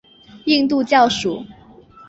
印度教属。